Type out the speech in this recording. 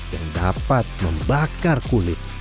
dan dapat membakar kulit